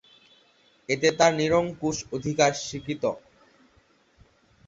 এতে তার নিরঙ্কুশ অধিকার স্বীকৃত।